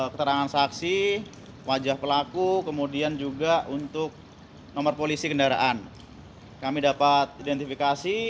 keterangan saksi wajah pelaku kemudian juga untuk nomor polisi kendaraan kami dapat identifikasi